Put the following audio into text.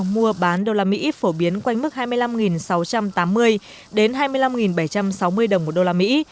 mua bán đô la mỹ phổ biến quanh mức hai mươi năm sáu trăm tám mươi đến hai mươi năm bảy trăm sáu mươi đồng một đô la mỹ